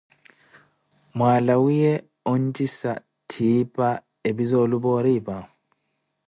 mwanlawaniye onjisa ttipa ephi za eluphooripa ?